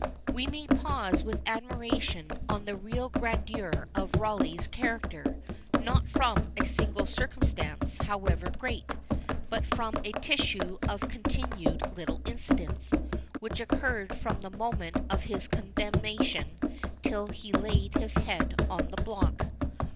We may pause with admiration on the real grandeur of Rawleigh's character, not from a single circumstance, however great, but from a tissue of continued little incidents, which occurred from the moment of his condemnation till he laid his head on the block.